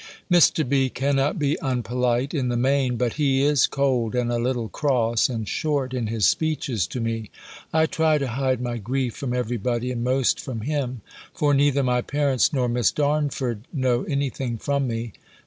Mr. B. cannot be unpolite, in the main; but he is cold, and a little cross, and short in his speeches to me. I try to hide my grief from everybody, and most from him: for neither my parents, nor Miss Darnford know anything from me.